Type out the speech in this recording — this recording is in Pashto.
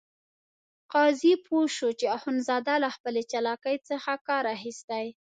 قاضي پوه شو چې اخندزاده له خپلې چالاکۍ څخه کار اخیستی.